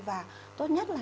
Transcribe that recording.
và tốt nhất là